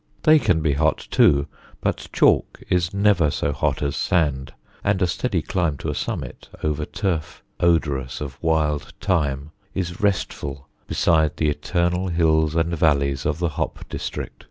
They can be hot too, but chalk is never so hot as sand, and a steady climb to a summit, over turf odorous of wild thyme, is restful beside the eternal hills and valleys of the hop district.